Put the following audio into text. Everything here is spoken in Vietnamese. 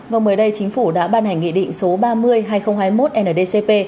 và mới đây chính phủ đã ban hành nghị định số ba mươi hai nghìn hai mươi một ndcp